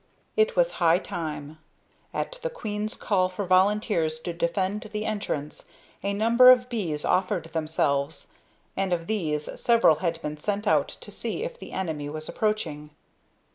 It was high time. At the queen's call for volunteers to defend the entrance, a number of bees offered themselves, and of these several had been sent out to see if the enemy was approaching.